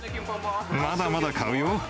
まだまだ買うよ。